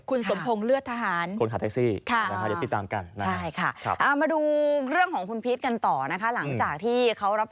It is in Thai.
คุณสมพงศ์เลือดทหาร